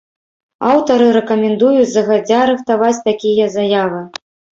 Аўтары рэкамендуюць загадзя рыхтаваць такія заявы.